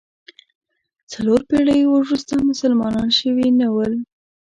څلور پېړۍ وروسته مسلمانان شوي نه ول.